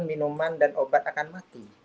minuman dan obat akan mati